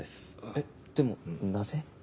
えっでもなぜ？